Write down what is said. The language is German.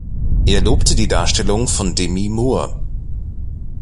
Er lobte die Darstellung von Demi Moore.